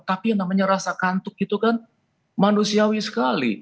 tapi yang namanya rasa kantuk itu kan manusiawi sekali